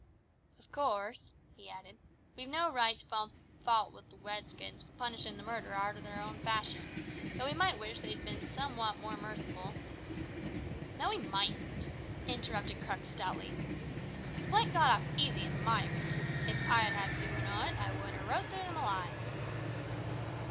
"Of course," he added, "we've no right to find fault wi' the Redskins for punishin' the murderer arter their own fashion, though we might wish they had bin somewhat more merciful " "No, we mightn't," interrupted Crux stoutly. "The Flint got off easy in my opinion. If I had had the doin' o't, I'd have roasted him alive."